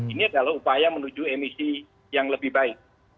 ini adalah upaya menuju emisi yang lebih baik